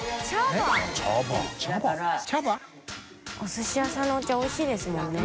寿司屋さんのお茶おいしいですもんね。